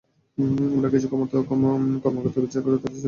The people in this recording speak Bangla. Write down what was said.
আমরা কিছু কর্মকর্তা বাছাই করে তাঁদের সাইবার ক্রাইমের ওপর প্রশিক্ষণ দেব।